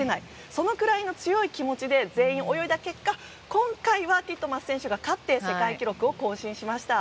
そのくらいの強い気持ちで全員、泳いだ結果今回はティットマス選手が勝って世界記録を更新しました。